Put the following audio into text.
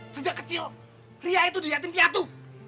sejak kecil ria itu diliatin piatu